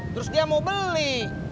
terus dia mau beli